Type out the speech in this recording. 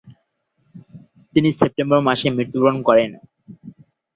তিনি সেপ্টেম্বর মাসে মৃত্যুবরণ করেন।